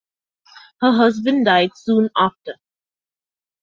Her husband died soon after.